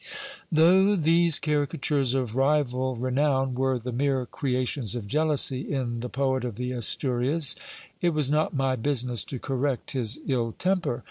Though these caricatures of rival renown were the mere creations of jealousy in the poet of the Asturias, it was not my business to correct his ill temper.